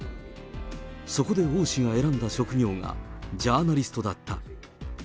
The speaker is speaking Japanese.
そこで王氏が選んだ職業が、ジャーナリストだった。